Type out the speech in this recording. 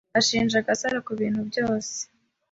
Bashinja Gasaro kubintu byose.